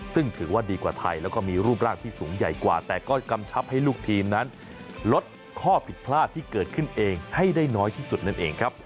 ซึ่งถือว่าดีกว่าไทยแล้วก็มีรูปร่างที่สูงใหญ่กว่าแต่ก็กำชับให้ลูกทีมนั้นลดข้อผิดพลาดที่เกิดขึ้นเองให้ได้น้อยที่สุดนั่นเองครับ